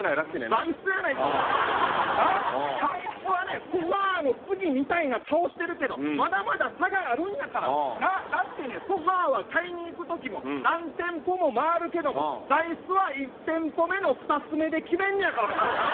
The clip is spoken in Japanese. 座いすやないか、座いすはソファの次みたいな顔してるけど、まだまだ差があるんやから、だってね、ソファは買いに行くときも何店舗も回るけども、座いすは１店舗目の２つ目で決めんねやから。